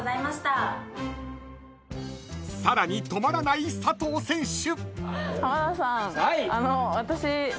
［さらに止まらない佐藤選手］